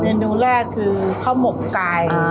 นูแรกคือข้าวหมกไก่